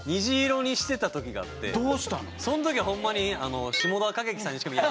そんときホンマに。